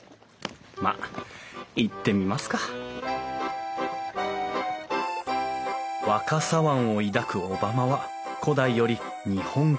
まあ行ってみますか若狭湾を抱く小浜は古代より日本海の玄関口。